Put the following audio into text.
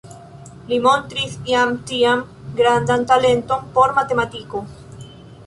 Li montris jam tiam grandan talenton por matematiko.